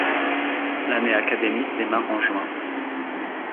L'année académique démarre en juin.